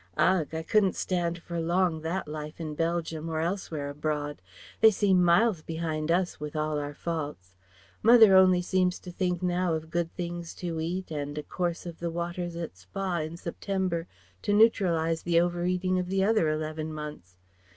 "Ugh! I couldn't stand for long that life in Belgium or elsewhere abroad. They seem miles behind us, with all our faults. Mother only seems to think now of good things to eat and a course of the waters at Spa in September to neutralize the over eating of the other eleven months.